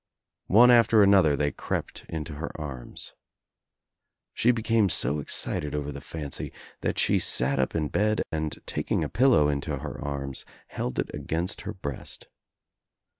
One after another they crept into her arms. She became so excited over the fancy that she sat up in bed and taking a pillow into her arms held It against her breast.